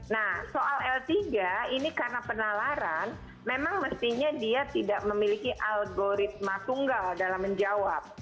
nah soal l tiga ini karena penalaran memang mestinya dia tidak memiliki algoritma tunggal dalam menjawab